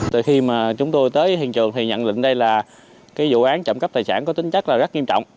từ khi mà chúng tôi tới hiện trường thì nhận định đây là cái vụ án trộm cắp tài sản có tính chắc là rất nghiêm trọng